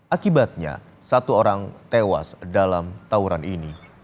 akibatnya satu orang tewas dalam tawuran ini